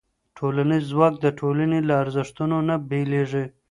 ټولنیز ځواک د ټولنې له ارزښتونو نه بېلېږي.